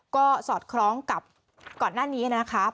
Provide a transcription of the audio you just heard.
ก็สอดคล้องกับก่อนหน้านี้นะครับ